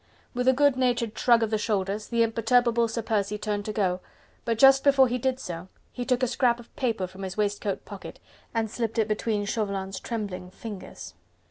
With a good natured shrug of the shoulders the imperturbable Sir Percy turned to go, but just before he did so, he took a scrap of paper from his waistcoat pocket, and slipped it between Chauvelin's trembling fingers.